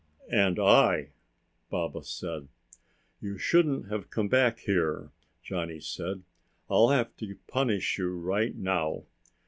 "And I!" Baba said. "You shouldn't have come back here!" Johnny said. "I'll have to punish you right now!"